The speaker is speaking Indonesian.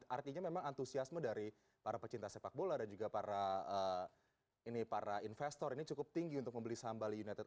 artinya memang antusiasme dari para pecinta sepak bola dan juga para investor ini cukup tinggi untuk membeli saham bali united